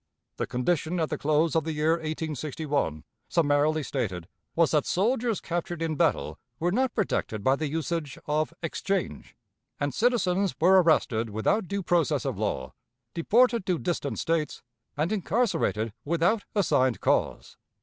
The condition at the close of the year 1861, summarily stated, was that soldiers captured in battle were not protected by the usage of "exchange," and citizens were arrested without due process of law, deported to distant States, and incarcerated without assigned cause.